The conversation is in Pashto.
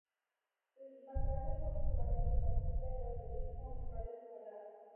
د څمکنيو ولسوالي د پکتيا يو د مهمو ولسواليو څخه ده.